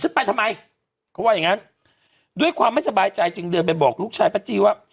ไปทำไมเขาว่าอย่างงั้นด้วยความไม่สบายใจจึงเดินไปบอกลูกชายป้าจี้ว่า